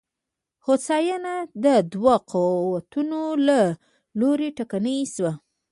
هوساینه د دوو قوتونو له لوري ټکنۍ شوه.